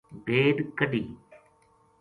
بھیڈ کڈھی۔